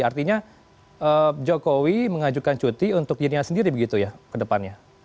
artinya jokowi mengajukan cuti untuk dirinya sendiri begitu ya ke depannya